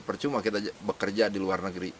percuma kita bekerja di luar negeri